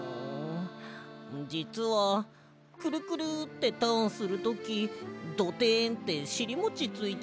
じつはくるくるってターンするときドテンってしりもちついちゃって。